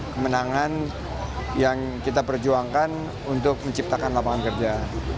kemenangan yang kita perjuangkan untuk menciptakan lapangan kerja